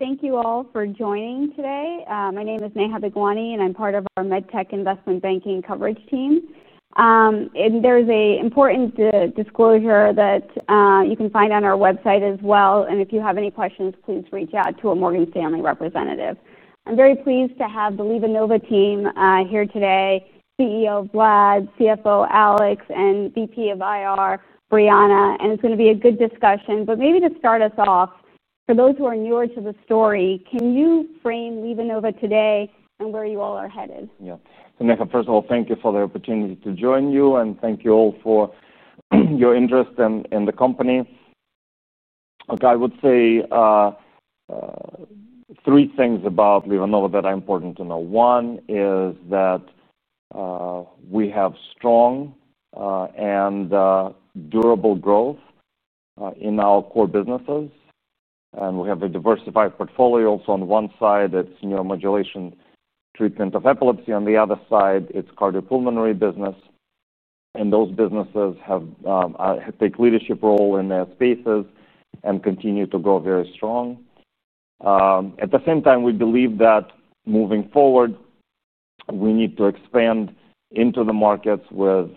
Thank you all for joining today. My name is Neha Begwani, and I'm part of our MedTech Investment Banking coverage team. There's an important disclosure that you can find on our website as well. If you have any questions, please reach out to a Morgan Stanley representative. I'm very pleased to have the LivaNova team here today: CEO Vlad, CFO Alex, and VP of IR, Briana. It's going to be a good discussion. Maybe to start us off, for those who are newer to the story, can you frame LivaNova today and where you all are headed? Yeah. Neha, first of all, thank you for the opportunity to join you, and thank you all for your interest in the company. I would say, three things about LivaNova that are important to know. One is that we have strong and durable growth in our core businesses, and we have a diversified portfolio. On one side, it's neuromodulation treatment of epilepsy. On the other side, it's cardiopulmonary business. Those businesses take a leadership role in their spaces and continue to grow very strong. At the same time, we believe that moving forward, we need to expand into the markets with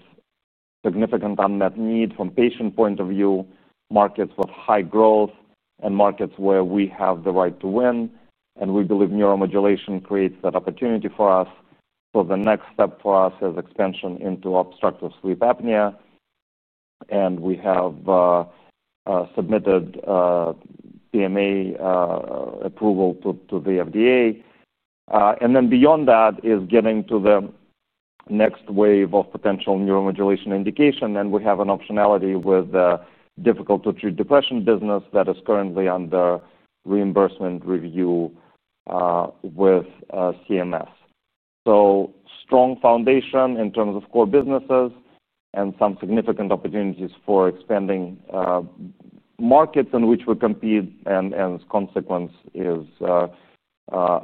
significant unmet needs from a patient point of view, markets with high growth, and markets where we have the right to win. We believe neuromodulation creates that opportunity for us. The next step for us is expansion into obstructive sleep apnea. We have submitted PMA approval to the FDA, and then beyond that is getting to the next wave of potential neuromodulation indication. We have an optionality with the difficult-to-treat depression business that is currently under reimbursement review with CMS. Strong foundation in terms of core businesses and some significant opportunities for expanding markets in which we compete. As a consequence, it is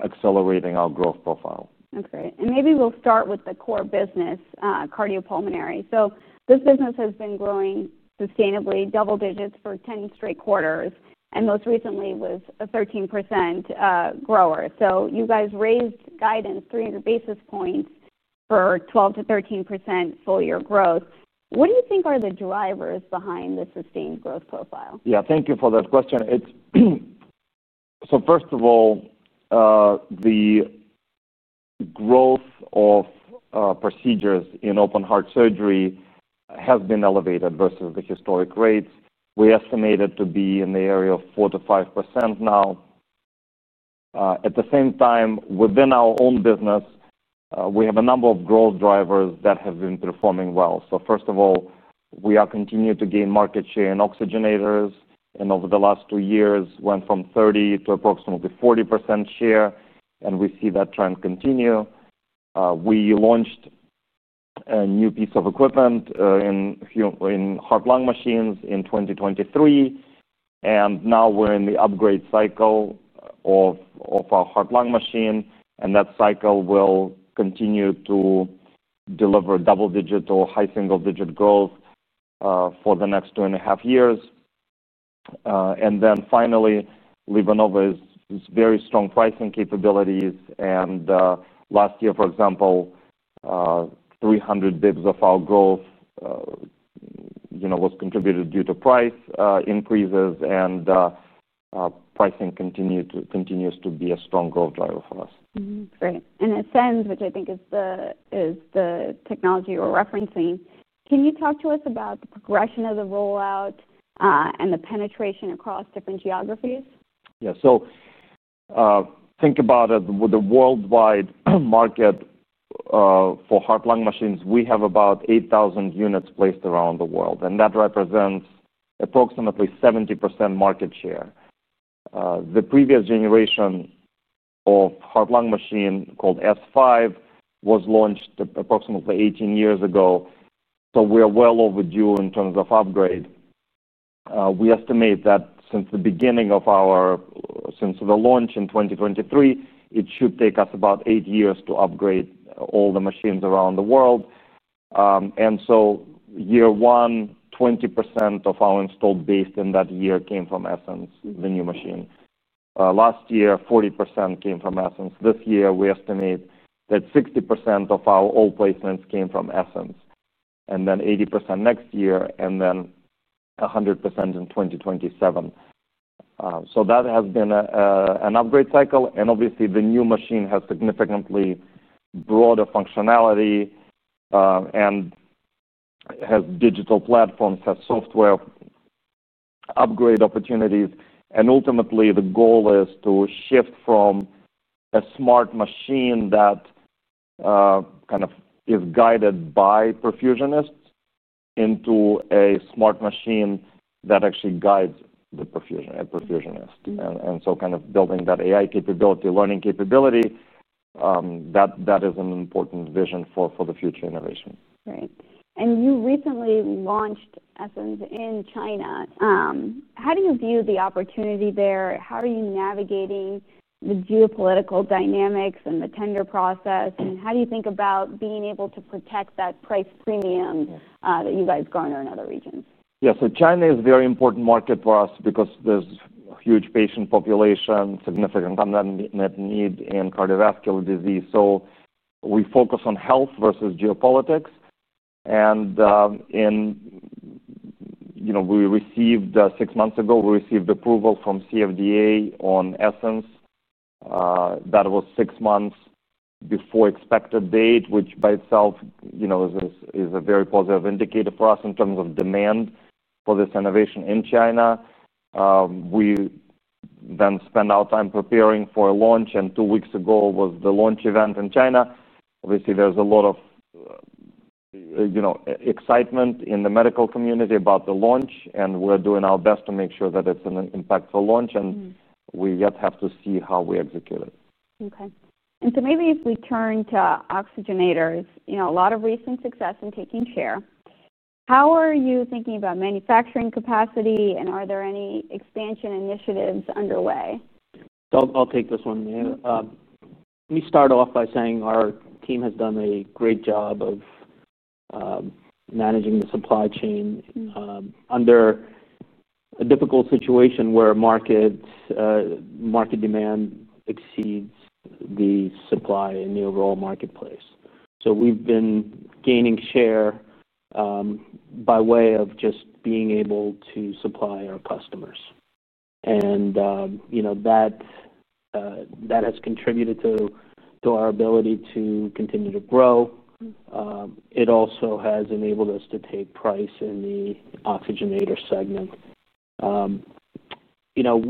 accelerating our growth profile. That's great. Maybe we'll start with the core business, cardiopulmonary. This business has been growing sustainably, double digits for 10 straight quarters, and most recently was a 13% grower. You guys raised guidance 300 basis points for 12%-13% full-year growth. What do you think are the drivers behind the sustained growth profile? Yeah, thank you for that question. First of all, the growth of procedures in open heart surgery has been elevated versus the historic rates. We estimate it to be in the area of 4%-5% now. At the same time, within our own business, we have a number of growth drivers that have been performing well. First of all, we are continuing to gain market share in oxygenators. Over the last two years, we went from 30% to approximately 40% share, and we see that trend continue. We launched a new piece of equipment in heart-lung machines in 2023, and now we're in the upgrade cycle of our heart-lung machine. That cycle will continue to deliver double-digit or high single-digit growth for the next two and a half years. Finally, LivaNova has very strong pricing capabilities. Last year, for example, 300 basis points of our growth was contributed due to price increases, and pricing continues to be a strong growth driver for us. Great. Essenz, which I think is the technology you were referencing, can you talk to us about the progression of the rollout and the penetration across different geographies? Yeah. So, think about it with the worldwide market for heart-lung machines. We have about 8,000 units placed around the world, and that represents approximately 70% market share. The previous generation of heart-lung machine called S5 was launched approximately 18 years ago, so we are well overdue in terms of upgrade. We estimate that since the beginning of our, since the launch in 2023, it should take us about eight years to upgrade all the machines around the world. In year one, 20% of our installed base in that year came from Essenz, the new machine. Last year, 40% came from Essenz. This year, we estimate that 60% of all our placements came from Essenz, then 80% next year, and then 100% in 2027. That has been an upgrade cycle. Obviously, the new machine has significantly broader functionality and has digital platforms, has software upgrade opportunities. Ultimately, the goal is to shift from a smart machine that kind of is guided by perfusionists into a smart machine that actually guides the perfusionist. Building that AI capability, learning capability, that is an important vision for the future innovation. Right. You recently launched Essenz in China. How do you view the opportunity there? How are you navigating the geopolitical dynamics and the tender process? How do you think about being able to protect that price premium that you guys garner in other regions? Yeah. China is a very important market for us because there's a huge patient population, significant unmet need in cardiovascular disease. We focus on health versus geopolitics. Six months ago, we received approval from CFDA on Essenz. That was six months before the expected date, which by itself is a very positive indicator for us in terms of demand for this innovation in China. We then spend our time preparing for a launch. Two weeks ago was the launch event in China. Obviously, there's a lot of excitement in the medical community about the launch. We're doing our best to make sure that it's an impactful launch. We yet have to see how we execute it. Okay. Maybe if we turn to oxygenators, you know, a lot of recent success in taking share. How are you thinking about manufacturing capacity, and are there any expansion initiatives underway? I'll take this one, Neha. We start off by saying our team has done a great job of managing the supply chain under a difficult situation where market demand exceeds the supply in the overall marketplace. We've been gaining share by way of just being able to supply our customers. You know, that has contributed to our ability to continue to grow. It also has enabled us to take price in the oxygenator segment. You know,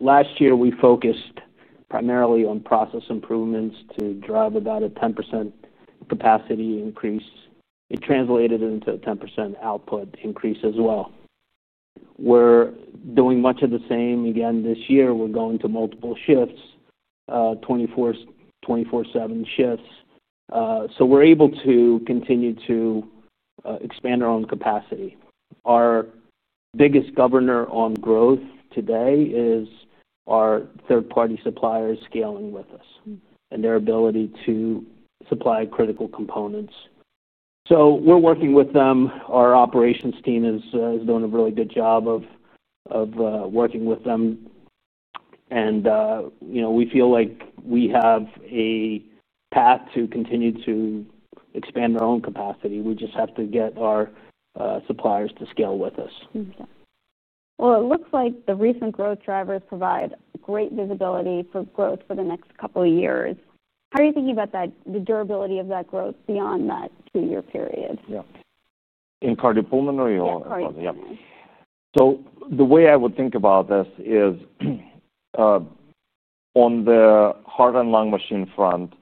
last year, we focused primarily on process improvements to drive about a 10% capacity increase. It translated into a 10% output increase as well. We're doing much of the same again this year. We're going to multiple shifts, 24/7 shifts, so we're able to continue to expand our own capacity. Our biggest governor on growth today is our third-party suppliers scaling with us and their ability to supply critical components. We're working with them. Our operations team is doing a really good job of working with them. You know, we feel like we have a path to continue to expand our own capacity. We just have to get our suppliers to scale with us. Okay. It looks like the recent growth drivers provide great visibility for growth for the next couple of years. How are you thinking about that, the durability of that growth beyond that two-year period? Yeah, in cardiopulmonary or? In cardiopulmonary. Yeah. The way I would think about this is, on the heart-lung machine front,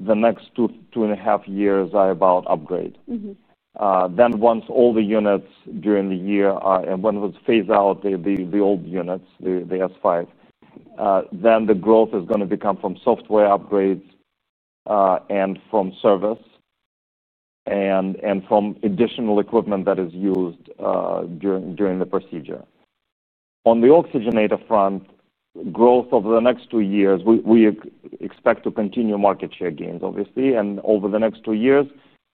the next two, two and a half years are about upgrade. Then once all the units during the year are, and when it was phased out, the old units, the S5, the growth is going to come from software upgrades, from service, and from additional equipment that is used during the procedure. On the oxygenator front, growth over the next two years, we expect to continue market share gains, obviously. Over the next two years,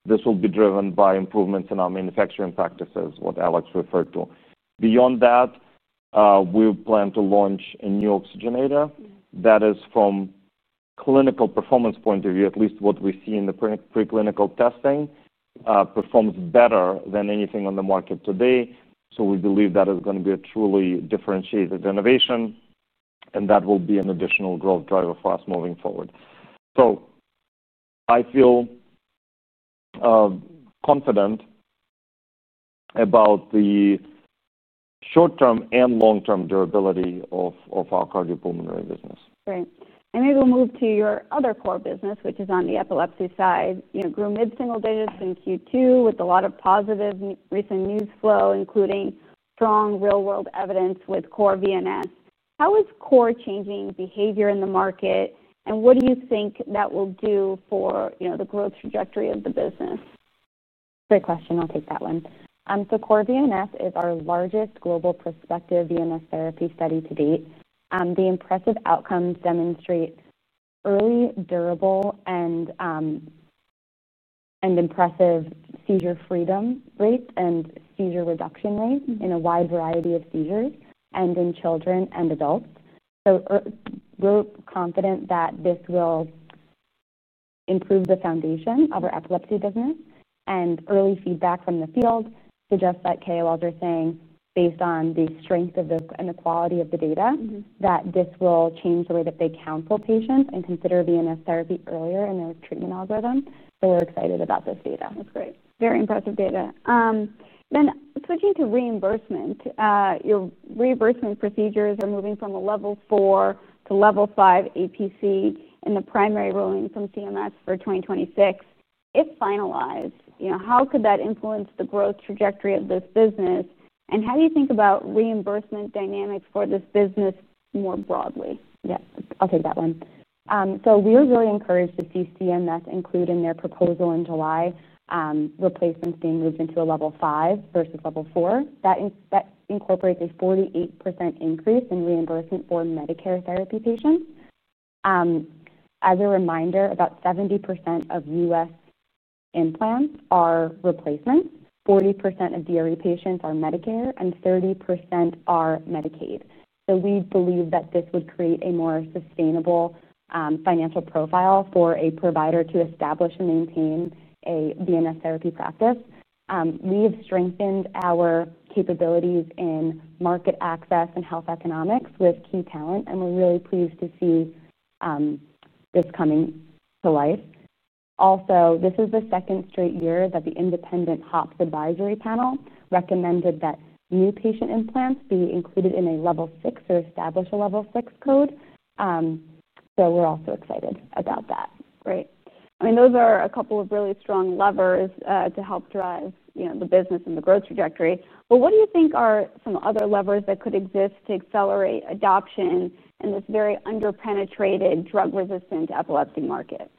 this will be driven by improvements in our manufacturing practices, what Alex referred to. Beyond that, we plan to launch a new oxygenator that is, from a clinical performance point of view, at least what we see in the preclinical testing, performs better than anything on the market today. We believe that is going to be a truly differentiated innovation. That will be an additional growth driver for us moving forward. I feel confident about the short-term and long-term durability of our cardiopulmonary business. Great. Maybe we'll move to your other core business, which is on the epilepsy side. You know, grew mid-single digits in Q2 with a lot of positive recent news flow, including strong real-world evidence with CORE-VNS. How is CORE changing behavior in the market, and what do you think that will do for the growth trajectory of the business? Great question. I'll take that one. CORE-VNS is our largest global prospective VNS Therapy study to date. The impressive outcomes demonstrate early, durable, and impressive seizure freedom rates and seizure reduction rates in a wide variety of seizures and in children and adults. We're confident that this will improve the foundation of our epilepsy business. Early feedback from the field suggests that KOLs are saying, based on the strength and the quality of the data, that this will change the way that they counsel patients and consider VNS Therapy earlier in their treatment algorithm. We're excited about this data. That's great. Very impressive data. Switching to reimbursement, your reimbursement procedures are moving from a Level 4 to Level 5 APC, and the primary ruling from CMS for 2026 is finalized. How could that influence the growth trajectory of this business? How do you think about reimbursement dynamics for this business more broadly? Yeah, I'll take that one. We were really encouraged to see CMS include in their proposal in July, replacements being moved into a Level 5 versus Level 4. That incorporates a 48% increase in reimbursement for Medicare therapy patients. As a reminder, about 70% of U.S. implants are replacements. 40% of DRE patients are Medicare, and 30% are Medicaid. We believe that this would create a more sustainable, financial profile for a provider to establish and maintain a VNS Therapy practice. We've strengthened our capabilities in market access and health economics with key talent, and we're really pleased to see this coming to life. Also, this is the second straight year that the independent HOPs advisory panel recommended that new patient implants be included in a Level 6 or establish a Level 6 code. We're also excited about that. Great. I mean, those are a couple of really strong levers to help drive the business and the growth trajectory. What do you think are some other levers that could exist to accelerate adoption in this very underpenetrated drug-resistant epileptic market?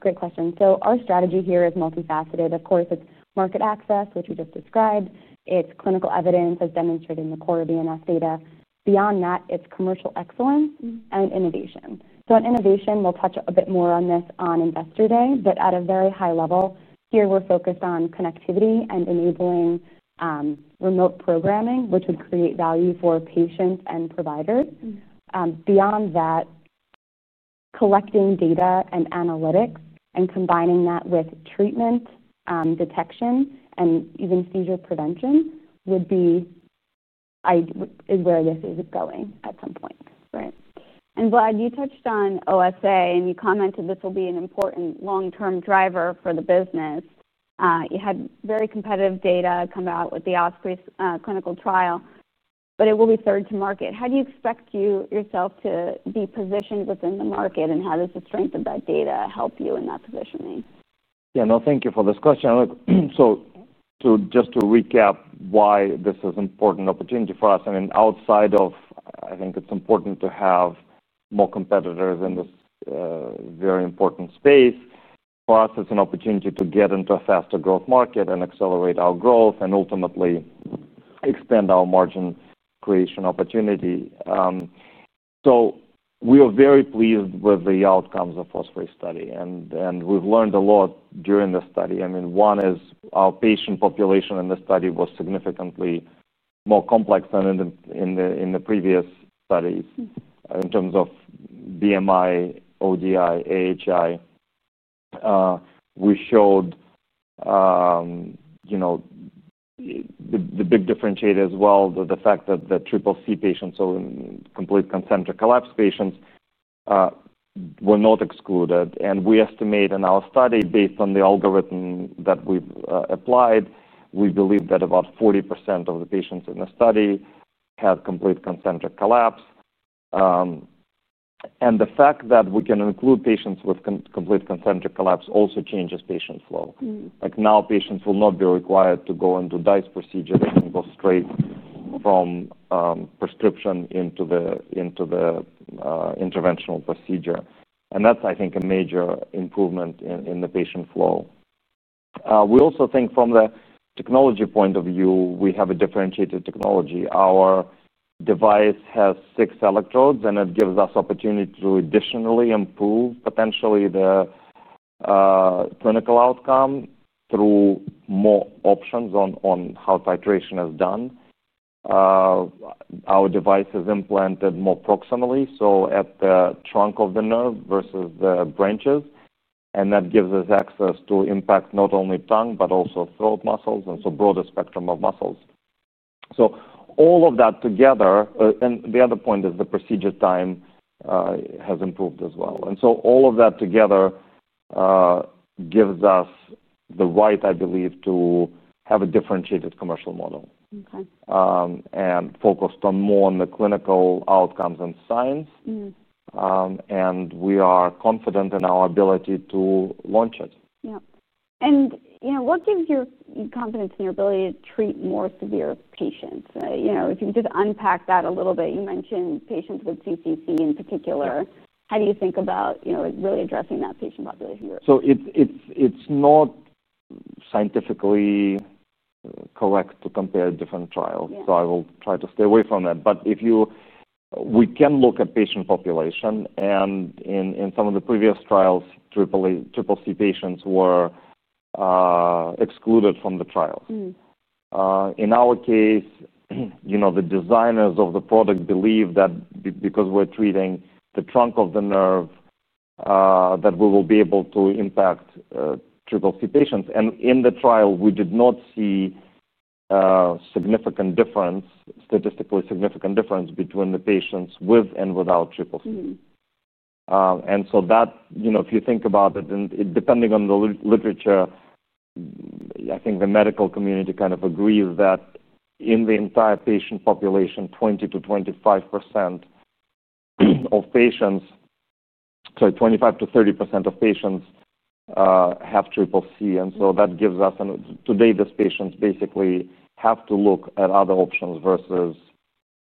Great question. Our strategy here is multifaceted. Of course, it's market access, which we just described. It's clinical evidence as demonstrated in the CORE-VNS data. Beyond that, it's commercial excellence and innovation. On innovation, we'll touch a bit more on this on investor day, but at a very high level, here we're focused on connectivity and enabling remote programming, which would create value for patients and providers. Beyond that, collecting data and analytics and combining that with treatment, detection, and even seizure prevention is where this is going at some points. Right. Vlad, you touched on OSA, and you commented this will be an important long-term driver for the business. You had very competitive data come out with the OSPREY Clinical Study, but it will be third to market. How do you expect yourself to be positioned within the market, and how does the strength of that data help you in that positioning? Yeah, no, thank you for this question. Look, to recap why this is an important opportunity for us. I mean, outside of, I think it's important to have more competitors in this very important space. For us, it's an opportunity to get into a faster growth market and accelerate our growth and ultimately expand our margin creation opportunity. We are very pleased with the outcomes of the OSPREY Clinical Study, and we've learned a lot during the study. I mean, one is our patient population in the study was significantly more complex than in the previous studies in terms of BMI, ODI, AHI. We showed the big differentiator as well, the fact that the CCC patients, so complete concentric collapse patients, were not excluded. We estimate in our study, based on the algorithm that we've applied, we believe that about 40% of the patients in the study have complete concentric collapse. The fact that we can include patients with complete concentric collapse also changes patient flow. Now, patients will not be required to go into DISE procedure. They can go straight from prescription into the interventional procedure. That's, I think, a major improvement in the patient flow. We also think from the technology point of view, we have a differentiated technology. Our device has six electrodes, and it gives us opportunity to additionally improve potentially the clinical outcome through more options on how titration is done. Our device is implanted more proximally, so at the trunk of the nerve versus the branches. That gives us access to impact not only tongue, but also throat muscles and so broader spectrum of muscles. All of that together, and the other point is the procedure time has improved as well. All of that together gives us the right, I believe, to have a differentiated commercial model, and focused more on the clinical outcomes and science. Mm-hmm. We are confident in our ability to launch it. Yeah. What gives your confidence in your ability to treat more severe patients? If you could just unpack that a little bit. You mentioned patients with CCC in particular. How do you think about really addressing that patient population group? It is not scientifically correct to compare different trials. I will try to stay away from that. If you look at patient population, in some of the previous trials, CCC patients were excluded from the trials. In our case, the designers of the product believe that because we're treating the trunk of the nerve, we will be able to impact CCC patients. In the trial, we did not see a statistically significant difference between the patients with and without CCC. If you think about it, depending on the literature, I think the medical community kind of agrees that in the entire patient population, 25%-30% of patients have CCC. That gives us, and today, these patients basically have to look at other options versus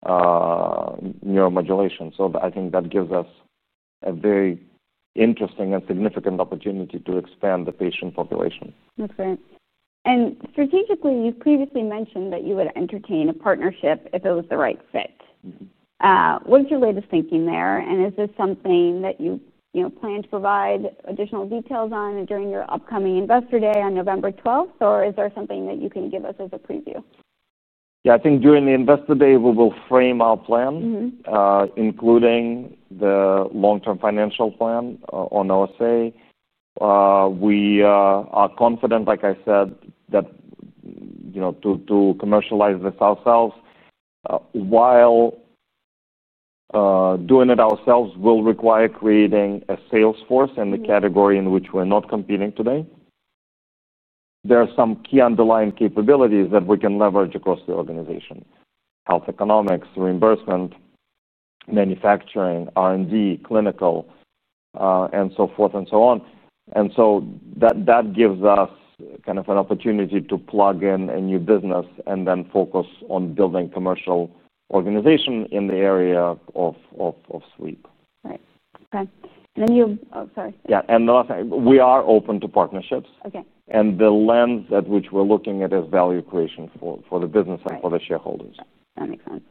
neuromodulation. I think that gives us a very interesting and significant opportunity to expand the patient population. That's great. Strategically, you've previously mentioned that you would entertain a partnership if it was the right fit. What's your latest thinking there? Is this something that you plan to provide additional details on during your upcoming Investor Day on November 12th, or is there something that you can give us as a preview? Yeah, I think during the Investor Day, we will frame our plans, including the long-term financial plan on OSA. We are confident, like I said, that, you know, to commercialize this ourselves, while doing it ourselves will require creating a sales force in the category in which we're not competing today. There are some key underlying capabilities that we can leverage across the organization: health economics, reimbursement, manufacturing, R&D, clinical, and so forth and so on. That gives us kind of an opportunity to plug in a new business and then focus on building commercial organization in the area of sleep. Right. Okay. You have, oh, sorry. Yeah, I think we are open to partnerships. The lens at which we're looking at is value creation for the business and for the shareholders. That makes sense.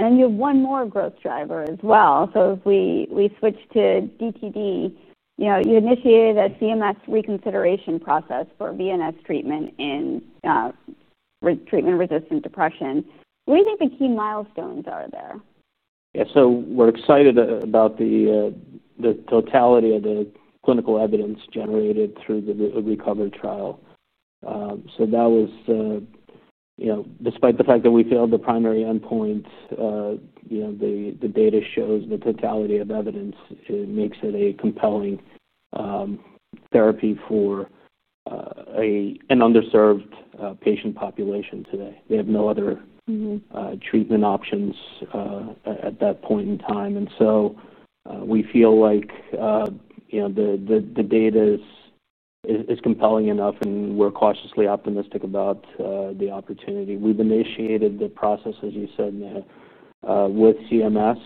You have one more growth driver as well. If we switch to DTD, you initiated a CMS reconsideration process for VNS Therapy treatment in treatment-resistant depression. What do you think the key milestones are there? Yeah. We're excited about the totality of the clinical evidence generated through the RECOVER trial. That was, you know, despite the fact that we failed the primary endpoint, the data shows the totality of evidence, it makes it a compelling therapy for an underserved patient population today. They have no other treatment options at that point in time. We feel like, you know, the data is compelling enough, and we're cautiously optimistic about the opportunity. We've initiated the process, as you said, Neha, with CMS.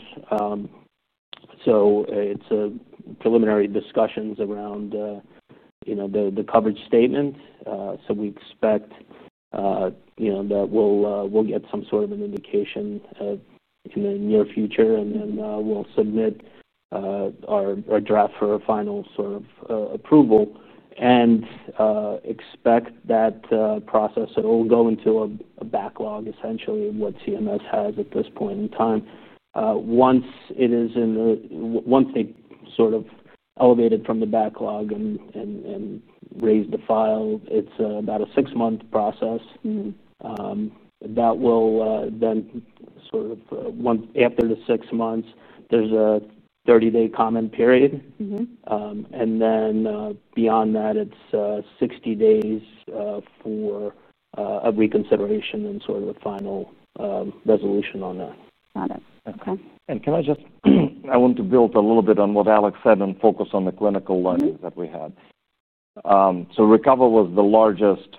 It's preliminary discussions around the coverage statement. We expect that we'll get some sort of an indication in the near future. Then we'll submit our draft for a final sort of approval and expect that process. It will go into a backlog, essentially, of what CMS has at this point in time. Once they sort of elevate it from the backlog and raise the file, it's about a six-month process. Mm-hmm. That will then sort of, once after the six months, there's a 30-day comment period. Mm-hmm. Beyond that, it's 60 days for a reconsideration and sort of a final resolution on that. Got it. Okay. I want to build a little bit on what Alex said and focus on the clinical learning that we had. RECOVER was the largest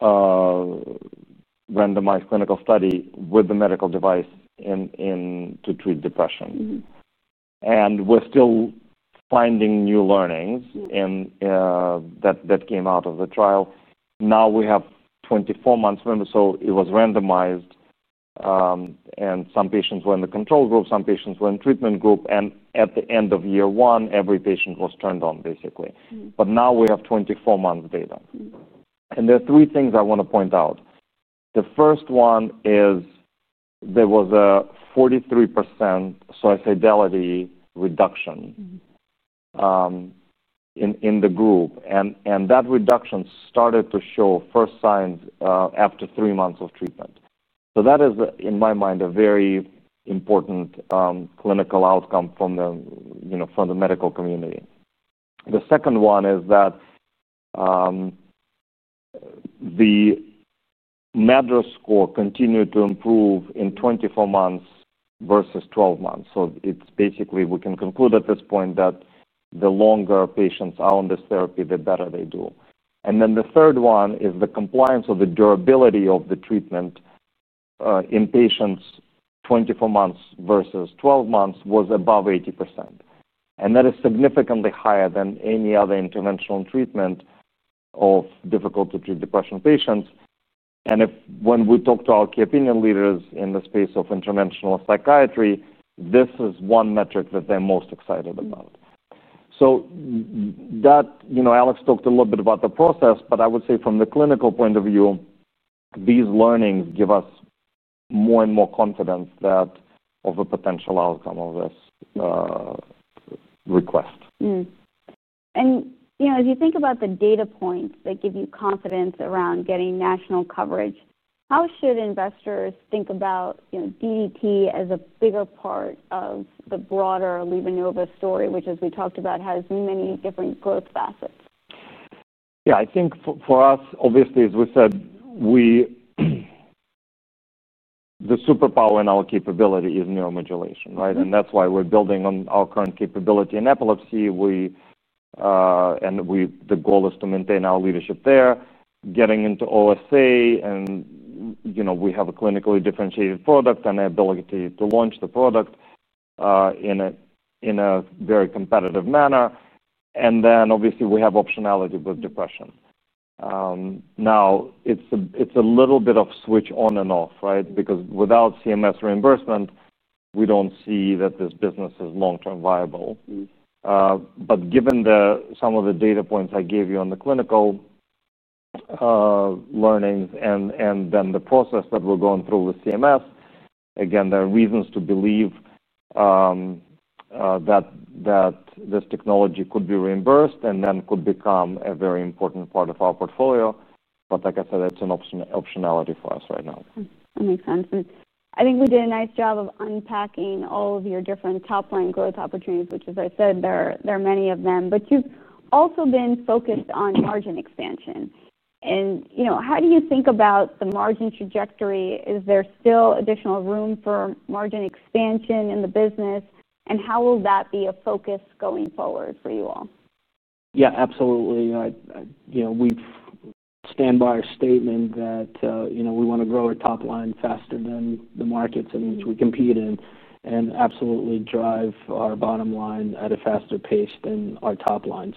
randomized clinical study with the medical device to treat depression. We're still finding new learnings that came out of the trial. Now we have 24 months, remember. It was randomized, and some patients were in the control group, some patients were in the treatment group. At the end of year one, every patient was turned on, basically. Now we have 24 months' data. There are three things I want to point out. The first one is there was a 43% suicidality reduction in the group, and that reduction started to show first signs after three months of treatment. That is, in my mind, a very important clinical outcome from the medical community. The second one is that the MADRS score continued to improve in 24 months versus 12 months. We can conclude at this point that the longer patients are on this therapy, the better they do. The third one is the compliance of the durability of the treatment in patients 24 months versus 12 months was above 80%. That is significantly higher than any other interventional treatment of difficult-to-treat depression patients. When we talk to our key opinion leaders in the space of interventional psychiatry, this is one metric that they're most excited about. Alex talked a little bit about the process, but I would say from the clinical point of view, these learnings give us more and more confidence of a potential outcome of this request. As you think about the data points that give you confidence around getting national coverage, how should investors think about DT as a bigger part of the broader LivaNova story, which, as we talked about, has many different growth facets? Yeah. I think for us, obviously, as we said, the superpower in our capability is neuromodulation, right? That's why we're building on our current capability in epilepsy. The goal is to maintain our leadership there, getting into OSA. We have a clinically differentiated product and the ability to launch the product in a very competitive manner. Obviously, we have optionality with depression. Now it's a little bit of switch on and off, right? Because without CMS reimbursement, we don't see that this business is long-term viable. But given some of the data points I gave you on the clinical learnings and the process that we're going through with CMS, again, there are reasons to believe that this technology could be reimbursed and then could become a very important part of our portfolio. Like I said, it's an optionality for us right now. Makes sense. I think we did a nice job of unpacking all of your different top-line growth opportunities, which, as I said, there are many of them. You've also been focused on margin expansion. How do you think about the margin trajectory? Is there still additional room for margin expansion in the business? How will that be a focus going forward for you all? Yeah, absolutely. We stand by a statement that we want to grow our top line faster than the markets in which we compete in and absolutely drive our bottom line at a faster pace than our top line.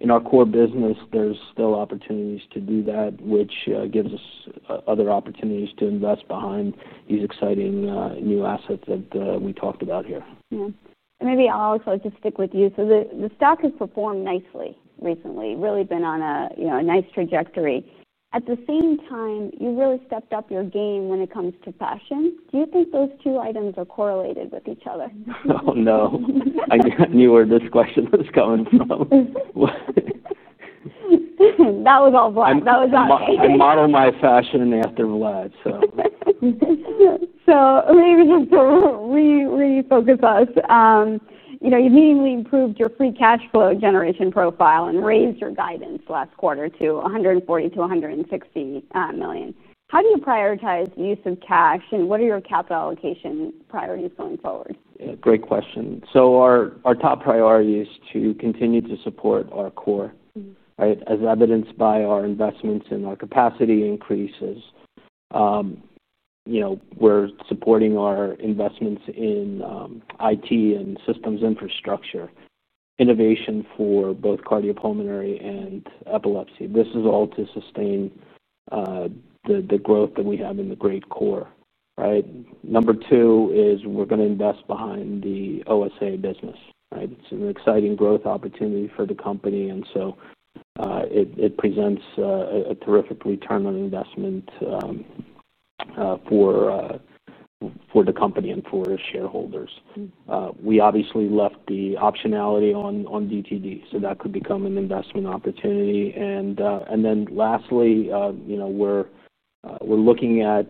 In our core business, there's still opportunities to do that, which gives us other opportunities to invest behind these exciting new assets that we talked about here. Yeah. Maybe I'll also just stick with you. The stock has performed nicely recently. Really been on a nice trajectory. At the same time, you really stepped up your game when it comes to passion. Do you think those two items are correlated with each other? Oh, no. I knew where this question was coming from. That was all Vlad. That was us. Model my fashion after I'm alive. Maybe just to refocus us. You know, you've meaningfully improved your free cash flow generation profile and raised your guidance last quarter to $140 million-$160 million. How do you prioritize the use of cash, and what are your capital allocation priorities going forward? Great question. Our top priority is to continue to support our core, right, as evidenced by our investments and our capacity increases. We're supporting our investments in IT and systems infrastructure, innovation for both cardiopulmonary and epilepsy. This is all to sustain the growth that we have in the great core, right? Number two is we're going to invest behind the OSA business, right? It's an exciting growth opportunity for the company. It presents a terrific return on investment for the company and for its shareholders. We obviously left the optionality on DTD. That could become an investment opportunity. Lastly, we're looking at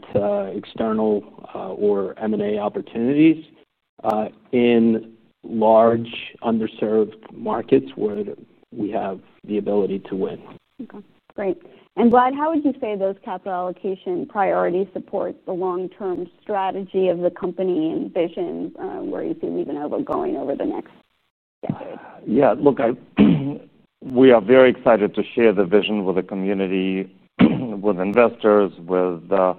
external or M&A opportunities in large underserved markets where we have the ability to win. Okay. Great. Vlad, how would you say those capital allocation priorities support the long-term strategy of the company and vision, where you see LivaNova going over the next decade? Yeah. Yeah. Look, we are very excited to share the vision with the community, with investors, with the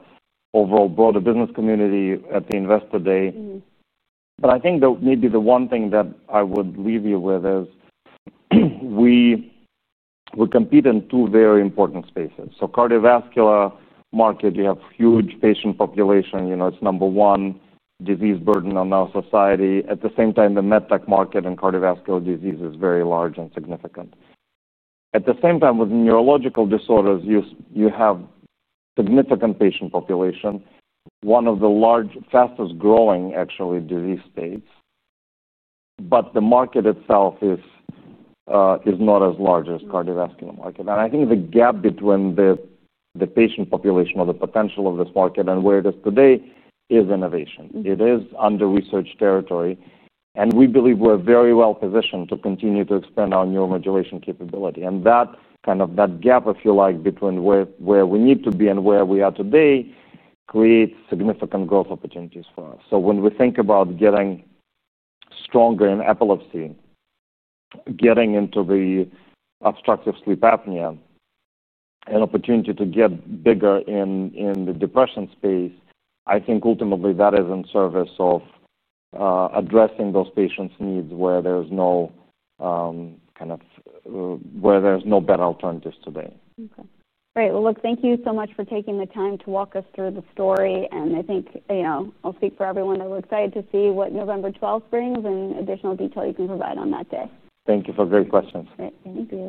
overall broader business community at the investor day. But I think that maybe the one thing that I would leave you with is we compete in two very important spaces. The cardiovascular market, you have huge patient population. You know, it's number one disease burden on our society. At the same time, the med tech market and cardiovascular disease is very large and significant. At the same time, with neurological disorders, you have a significant patient population. One of the large, fastest growing, actually, disease states. The market itself is not as large as the cardiovascular market. I think the gap between the patient population or the potential of this market and where it is today is innovation. It is under-researched territory. We believe we're very well positioned to continue to expand our neuromodulation capability. That gap, if you like, between where we need to be and where we are today creates significant growth opportunities for us. When we think about getting stronger in epilepsy, getting into the obstructive sleep apnea, an opportunity to get bigger in the depression space, I think ultimately that is in service of addressing those patients' needs where there's no, kind of, where there's no better alternatives today. Great. Thank you so much for taking the time to walk us through the story. I think, you know, I'll speak for everyone. I'm excited to see what November 12th brings and additional detail you can provide on that day. Thank you for great questions. All right, thank you.